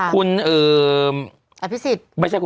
คุณอาภิสิต